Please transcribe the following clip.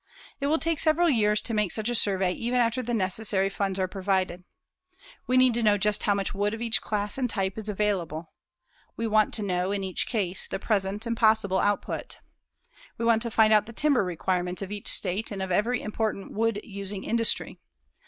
It will take several years to make such a survey even after the necessary funds are provided. We need to know just how much wood of each class and type is available. We want to know, in each case, the present and possible output. We want to find out the timber requirements of each state and of every important wood using industry.